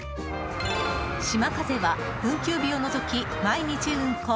「しまかぜ」は運休日を除き毎日運行。